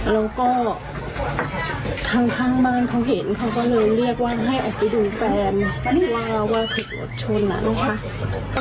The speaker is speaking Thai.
แล้วก็ทางข้างบ้านเขาเห็นเขาก็เลยเรียกว่าให้ออกไปดูแฟนว่าถูกรถชนอ่ะนะคะ